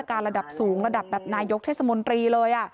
ขูาให้ใส่เนี่ย